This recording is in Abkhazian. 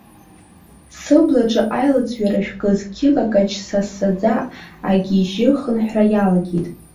Сыблаҿы аилаӡҩара, шәкы-зқьы какаҷ сса-ссаӡа агьежьыхынҳәра иалагеит.